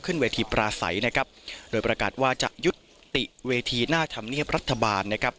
ขึ้นเวทีปราศัยนะครับโดยประกาศว่าจะยุติเวทีหน้าธรรมเนียบรัฐบาลนะครับ